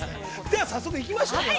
では、早速いきましょうか。